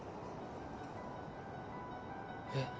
えっ？